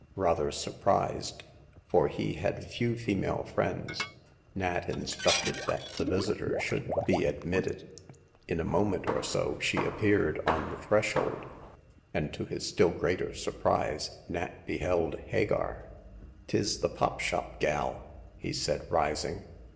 Rather surprised— for he had few female friends — Nat instructed that the visitor should be admitted. In a moment or so she appeared on the thresh old, and, to his still greater surprise, Nat beheld Hagar. "Tis the pop shop gal!" he said, rising.